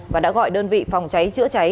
và đã gọi đơn vị phòng cháy chữa cháy